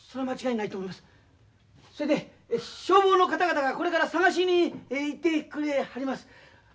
それで消防の方々がこれから捜しに行ってくれはります。